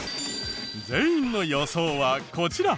全員の予想はこちら。